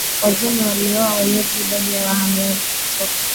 Wajemi waliooa wenyeji Idadi ya wahamiaji kutoka